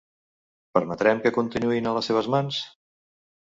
Permetrem que continuïn a les seves mans?